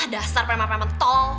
dasar preman preman tol